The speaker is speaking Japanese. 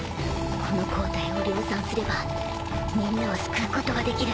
この抗体を量産すればみんなを救うことができる。